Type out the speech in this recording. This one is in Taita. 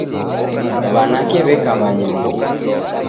W'anake w'eka w'anyonge.